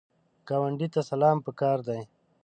ګاونډي ته سلام پکار دی